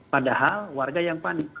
padahal warga yang panik